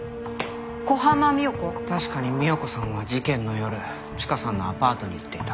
確かに三代子さんは事件の夜チカさんのアパートに行っていた。